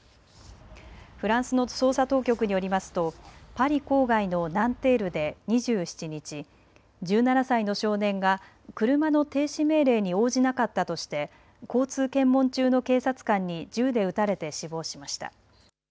フランスの捜査当局によりますとパリ郊外のナンテールで２７日、１７歳の少年が車の停止命令に応じなかったとして交通検問中の警察官に銃で撃たれて死亡しました。